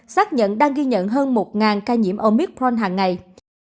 xác nhận đang ghi nhận hơn một ca nhiễm omicron hằng ngày